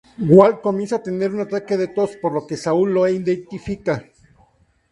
Walt comienza a tener un ataque de tos, por lo que Saul lo identifica.